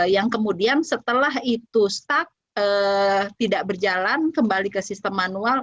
yang kemudian setelah itu stuck tidak berjalan kembali ke sistem manual